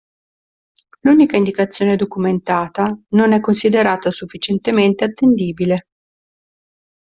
L'unica indicazione documentata non è considerata sufficientemente attendibile.